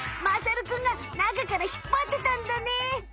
まさるくんが中から引っぱってたんだね！